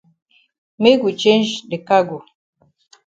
Make we change de cargo.